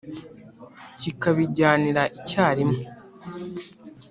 Kikabajyanira icyarimwe